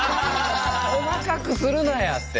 細かくするなやって。